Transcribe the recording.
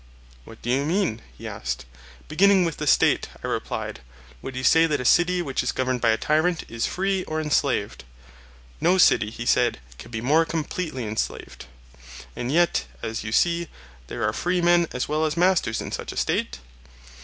What do you mean? he asked. Beginning with the State, I replied, would you say that a city which is governed by a tyrant is free or enslaved? No city, he said, can be more completely enslaved. And yet, as you see, there are freemen as well as masters in such a State?